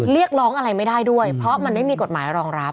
เรียกร้องอะไรไม่ได้ด้วยเพราะมันไม่มีกฎหมายรองรับ